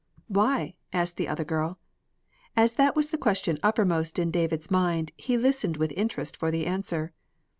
"Why?" asked the other girl. As that was the question uppermost in David's mind, he listened with interest for the answer.